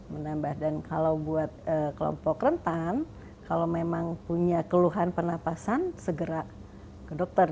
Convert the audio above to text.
menambah dan kalau buat kelompok rentan kalau memang punya keluhan penapasan segera ke dokter